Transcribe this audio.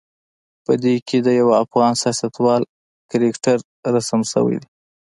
په دې کې د یوه افغان سیاستوال کرکتر رسم شوی دی.